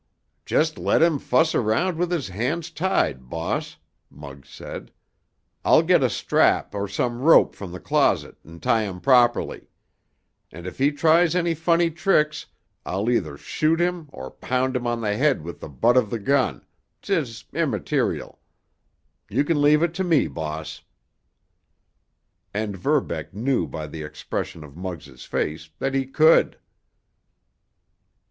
"Just let him fuss around with his hands tied, boss," Muggs said. "I'll get a strap or some rope from the closet and tie 'em properly. And if he tries any funny tricks I'll either shoot him or pound him on the head with the butt of the gun—'tis immaterial. You can leave it to me, boss." And Verbeck knew by the expression of Muggs' face that he could.